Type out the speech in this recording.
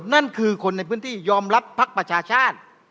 นั่นคือคนในพื้นที่ยอมรับภักดิ์ประชาชาติ